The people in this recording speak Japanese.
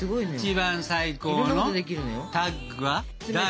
一番最高のタッグは誰？